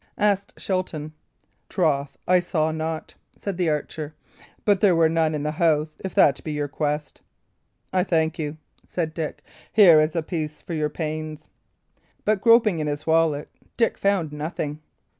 asked Shelton. "Troth, I saw not," said the archer. "But there were none in the house, if that be your quest." "I thank you," said Dick. "Here is a piece for your pains." But groping in his wallet, Dick found nothing.